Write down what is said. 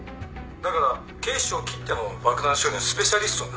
だから警視庁きっての爆弾処理のスペシャリストになったよ。